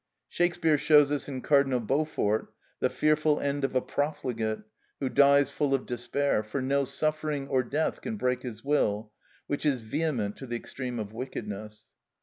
Shakespeare shows us in Cardinal Beaufort the fearful end of a profligate, who dies full of despair, for no suffering or death can break his will, which is vehement to the extreme of wickedness.